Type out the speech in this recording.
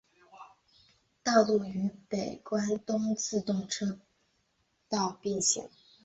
道路与北关东自动车道并行。